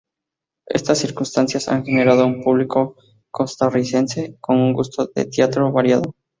Estas circunstancias han generado un público costarricense con un gusto de teatro variado.